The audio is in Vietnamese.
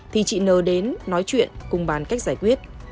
thì chị nờ đến nói chuyện cùng bàn cách giải quyết